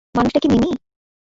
মানুষটা কি মিমি?